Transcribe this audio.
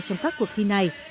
trong các cuộc thi này